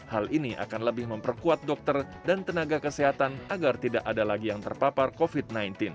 hal ini akan lebih memperkuat dokter dan tenaga kesehatan agar tidak ada lagi yang terpapar covid sembilan belas